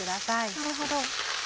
なるほど。